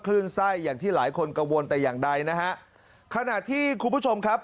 คลื่นไส้อย่างที่หลายคนกังวลแต่อย่างใดนะฮะขณะที่คุณผู้ชมครับ